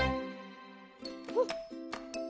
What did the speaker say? おっ。